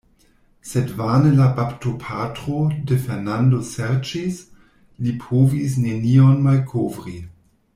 Sed vane la baptopatro de Fernando serĉis; li povis nenion malkovri.